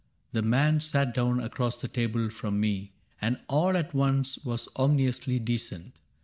The man sat down across the table from me And all at once was ominously decent.